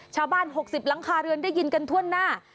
ชาวบ้าน๖๐หลังคาเรือนได้ยินกันถ้วนหน้า